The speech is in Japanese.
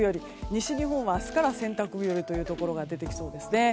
西日本は明日から洗濯日和というところが出てきそうです。